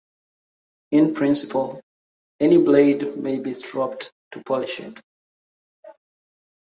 In principle, any blade may be stropped to polish it.